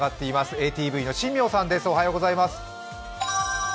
ＡＴＶの新名さんです。